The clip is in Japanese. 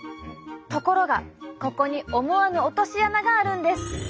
ところがここに思わぬ落とし穴があるんです。